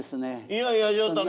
いやいやちょっとあの。